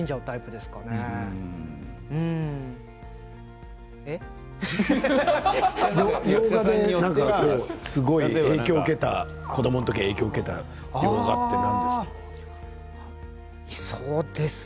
すごい影響を受けた子どもの時に影響を受けた映画って何ですか？